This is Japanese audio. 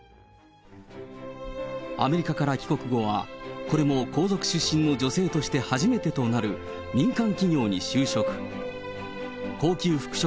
アメリカから帰国後は、これも皇族出身の女性として初めてとなる民間企業に就職。